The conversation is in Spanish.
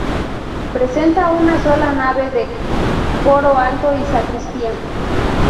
Presenta una sola nave con coro alto y sacristía.